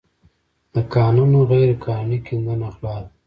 د کانونو غیرقانوني کیندنه غلا ده.